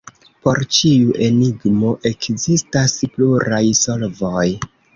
Por ĉiu enigmo ekzistas pluraj solvoj.